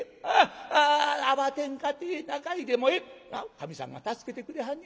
神さんが助けてくれはんね